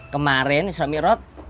kemarin suami rot